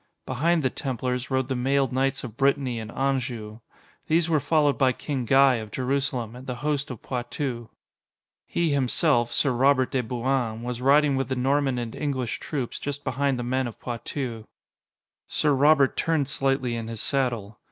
Behind the Templars rode the mailed knights of Brittany and Anjou. These were followed by King Guy of Jerusalem and the host of Poitou. He himself, Sir Robert de Bouain, was riding with the Norman and English troops, just behind the men of Poitou. Sir Robert turned slightly in his saddle.